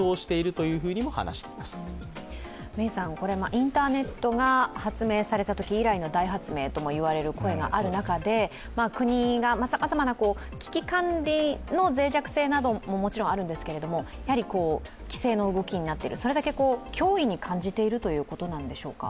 インターネットが発明されたとき以来の大発明という声がある中で国がさまざまな危機管理の脆弱性などももちろんあるんですけれどもやはり規制の動きになっている、それだけ脅威に感じているということなんでしょうか？